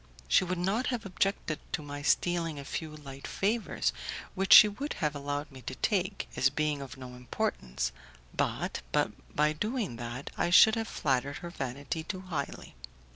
She would not have objected to my stealing a few light favours which she would have allowed me to take, as being of no importance, but, by doing that, I should have flattered her vanity too highly.